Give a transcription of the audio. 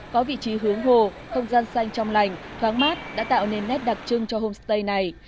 có vị trí hướng hồ không gian xanh trong lành thoáng mát đã tạo nên nét đặc trưng cho homestay này